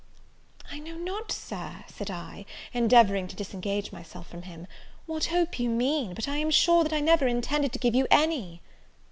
"I know not, Sir," said I, endeavouring to disengage myself from him, "what hope you mean, but I am sure that I never intended to give you any."